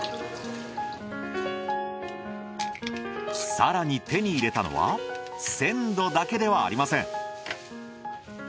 更に手に入れたのは鮮度だけではありません。